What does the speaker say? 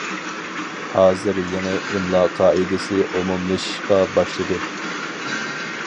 ھازىر يېڭى ئىملا قائىدىسى ئومۇملىشىشقا باشلىدى.